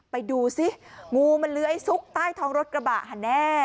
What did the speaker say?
ไปดูซิงูมันเลื้อยซุกใต้ท้องรถกระบะค่ะแน่